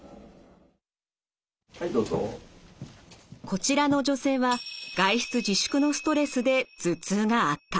こちらの女性は外出自粛のストレスで頭痛が悪化。